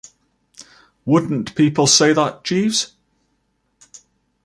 Wouldn't people say that, Jeeves?